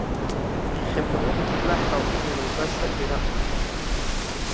Иахьабалак икнаҳауп иара убас абираҟ ҟаԥшьқәа.